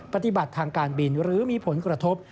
ปฏิบัติทางการบินหรือมีผลกระทบ